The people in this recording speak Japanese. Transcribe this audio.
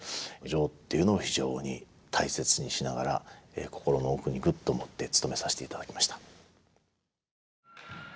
「情」っていうのを非常に大切にしながら心の奥にぐっと持ってつとめさせていただきました。